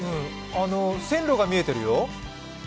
線路が見えてるよ。